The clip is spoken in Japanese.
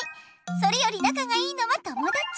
それよりなかがいいのは友だち。